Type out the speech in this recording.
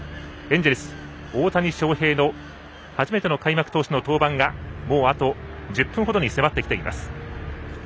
エンジェルス、大谷翔平の初めての開幕投手の登板がもう、あと１０分ほどに迫ってきています。